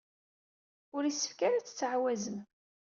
Ur yessefk ara ad tettɛawazem.